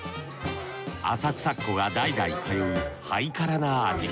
浅草っ子が代々通うハイカラな味。